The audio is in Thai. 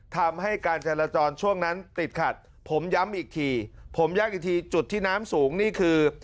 ทำให้การจราจรช่วงนั้นติดขัดผมย้ำอีกทีผมย้ำอีกทีจุดที่น้ำสูงนี่คือ